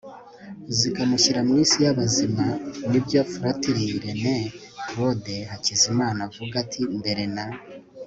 zikamushyira mw'isi y'abazima. nibyo fratri rené claude hakizimana avuga ati mbere na